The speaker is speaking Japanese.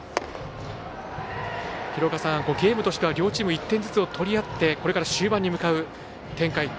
ゲームとしては両チーム１点ずつ取り合ってこれから終盤に向かう展開